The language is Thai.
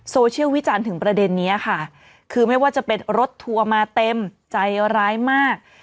โซเชียลวิจารณ์ถึงประเด็นนี้ค่ะคือไม่ว่าจะเป็นรถทัวร์มาเต็มใจร้ายมาก